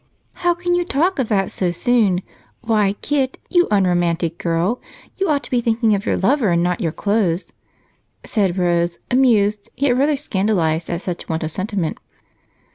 "How can you talk of that so soon? Why, Kit, you unromantic girl, you ought to be thinking of your lover and not your clothes," said Rose, amused yet rather scandalized at such want of sentiment.